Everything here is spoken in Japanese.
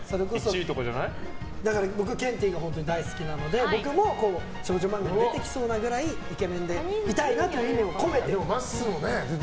僕、ケンティーが本当に大好きなので僕も少女漫画に出てきそうなくらいイケメンでいたいなっていうのを込めて。